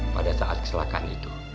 pada saat kesalahan itu